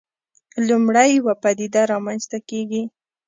لومړی یوه پدیده رامنځته کېږي.